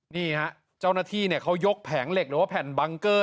นี่ฮะเจ้าหน้าที่เขายกแผงเหล็กหรือว่าแผ่นบังเกอร์